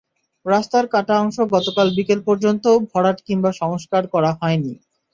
রাস্তার কাটা অংশ গতকাল বিকেল পর্যন্তও ভরাট কিংবা সংস্কার করা হয়নি।